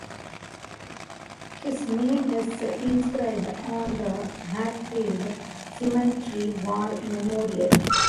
His name is inscribed on the Hatfield Cemetery War Memorial.